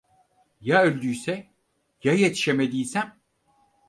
Ya öldüyse, ya yetişemediysem!